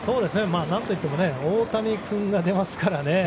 何といっても大谷君が出ますからね。